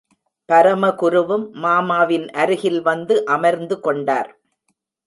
பரமகுருவும் மாமாவின் அருகில் வந்து அமர்ந்து கொண்டார்.